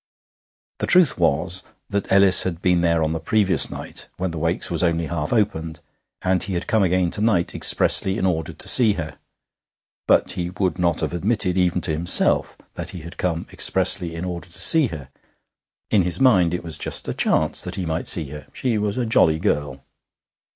The truth was that Ellis had been there on the previous night, when the Wakes was only half opened, and he had come again to night expressly in order to see her; but he would not have admitted, even to himself, that he had come expressly in order to see her; in his mind it was just a chance that he might see her. She was a jolly girl.